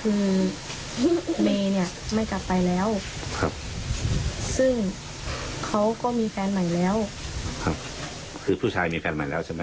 คือผู้ชายมีแฟนใหม่แล้วใช่ไหม